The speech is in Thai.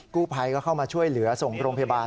กู้ภัยก็เข้ามาช่วยเหลือส่งโรงพยาบาล